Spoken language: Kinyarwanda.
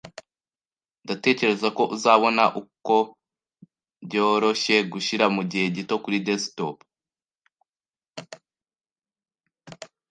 Ndatekereza ko uzabona ko byoroshye gushyira mugihe gito kuri desktop.